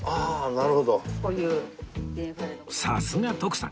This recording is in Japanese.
さすが徳さん！